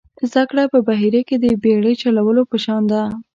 زده کړه په بحیره کې د بېړۍ چلولو په شان ده.